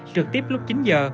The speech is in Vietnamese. trực tiếp lúc chín h